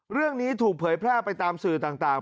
เรื่องนี้ถูกเผยแพร่ไปตามสื่อต่าง